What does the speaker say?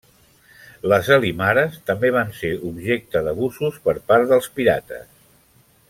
Les alimares també van ser objecte d'abusos per part dels pirates.